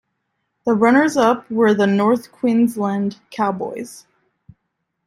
The runners up were the North Queensland Cowboys.